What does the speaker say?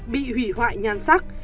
bị hủy hoại nhan sắc